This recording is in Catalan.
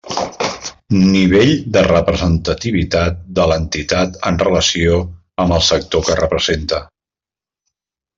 Nivell de representativitat de l'entitat en relació amb el sector que representa.